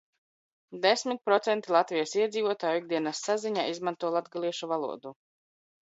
Desmit procenti Latvijas iedzīvotāju ikdienas saziņā izmanto latgaliešu valodu.